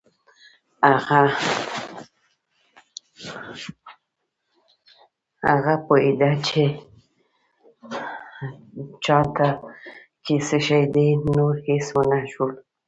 هغه پوهېده چې په چانټه کې څه شي دي، نور هېڅ ونه شول.